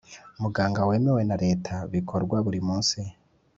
Muganga wemewe na Leta bikorwa buri munsi